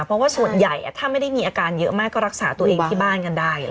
เพราะว่าส่วนใหญ่ถ้าไม่ได้มีอาการเยอะมากก็รักษาตัวเองที่บ้านกันได้